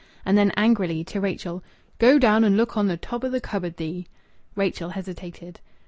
And then, angrily to Rachel, "Go down and look on th' top o' th' cupboard, thee!" Rachel hesitated.